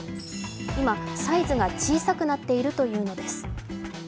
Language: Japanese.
今、サイズが小さくなっているというのです。